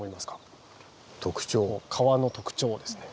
川の特徴ですね。